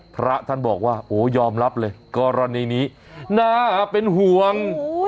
พระท่านบอกว่าโอ้ยอมรับเลยกรณีนี้น่าเป็นห่วง